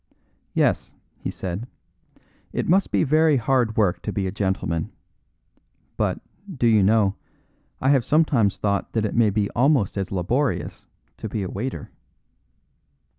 "Yes," he said; "it must be very hard work to be a gentleman; but, do you know, I have sometimes thought that it may be almost as laborious to be a waiter."